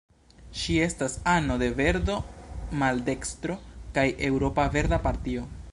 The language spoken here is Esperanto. Ŝi estas ano de Verdo-Maldekstro kaj Eŭropa Verda Partio.